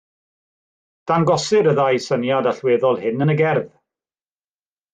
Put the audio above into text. Dangosir y ddau syniad allweddol hyn yn y gerdd.